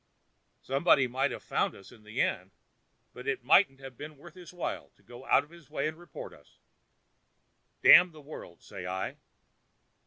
Somebody might have found us in the end, but it mightn't have been worth his while to go out of his way and report us. Damn the world, say I!"